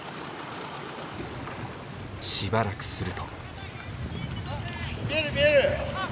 しばらくすると。